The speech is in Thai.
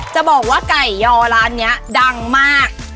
จะบอกว่าไก่ยอร้านนี้ดังมาก